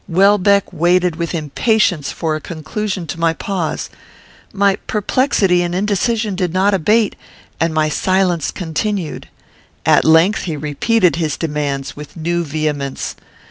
Welbeck waited with impatience for a conclusion to my pause. My perplexity and indecision did not abate, and my silence continued. At length, he repeated his demands, with new vehemence.